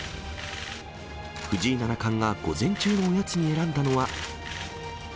藤井七冠が午前中のおやつに選んだのは。